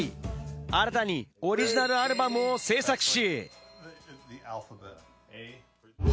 新たにオリジナルアルバムを制作し。